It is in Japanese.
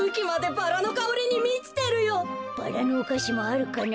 バラのおかしもあるかな。